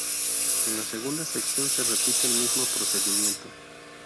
En la segunda sección se repite el mismo procedimiento.